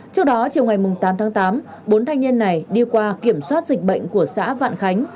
trước đó chiều ngày tám tháng tám bốn thanh niên này đi qua kiểm soát dịch bệnh của xã vạn khánh